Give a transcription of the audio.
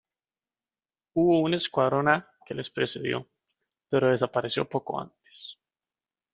Hubo un Escuadrón A que les precedió, pero desapareció poco antes.